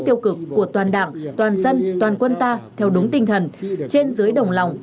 tiêu cực của toàn đảng toàn dân toàn quân ta theo đúng tinh thần trên dưới đồng lòng